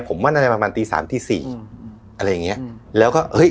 ผมมั่นอะไรประมาณตีสามตีสี่อะไรอย่างเงี้ยแล้วก็เฮ้ย